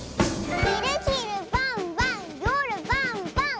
「ひるひるばんばんよるばんばん！」